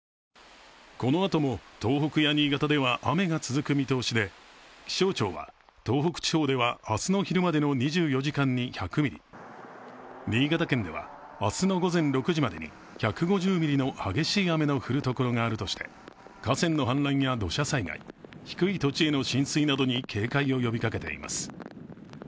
このあとも、東北や新潟では雨が続く見通しで気象庁は東北地方では明日の昼までの２４時間に１００ミリ新潟県では、明日の午前６時までに１５０ミリの激しい雨の降るところがあるとして、河川の氾濫や土砂災害低い土地への浸水などに警戒を呼びかけています。